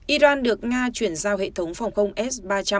iran được nga chuyển giao hệ thống phòng không s ba trăm linh